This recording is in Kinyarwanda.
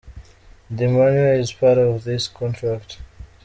The manual is part of this contract.